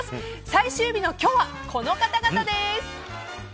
最終日の今日は、この方々です！